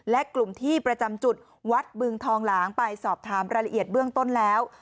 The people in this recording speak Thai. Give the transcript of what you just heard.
และกลุ่มที่ประจำจุดวัดบึงทองหลางไปสอบถามรายละเอียดเบื้องต้นแล้ว